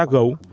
đều sát gấu